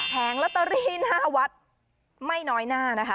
ลอตเตอรี่หน้าวัดไม่น้อยหน้านะคะ